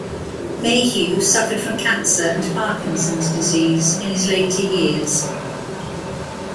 Mayhew suffered from cancer and Parkinson's disease in his later years.